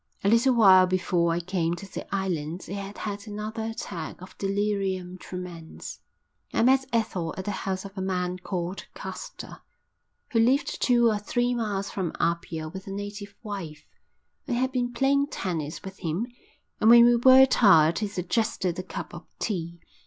A little while before I came to the island he had had another attack of delirium tremens. I met Ethel at the house of a man called Caster, who lived two or three miles from Apia with a native wife. I had been playing tennis with him and when we were tired he suggested a cup of tea.